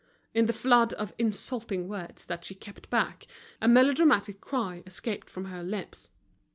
In the flood of insulting words that she kept back, a melodramatic cry escaped from her lips.